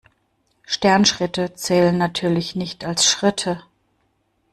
Sternschritte zählen natürlich nicht als Schritte.